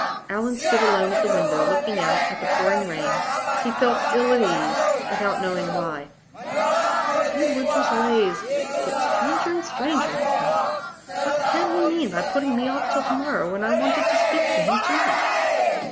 Allan stood alone at the window, looking out at the pouring rain. He felt ill at ease, without knowing why. "Midwinter's ways get stranger and stranger," he thought. "What can he mean by putting me off till to morrow, when I wanted to speak to him to night?"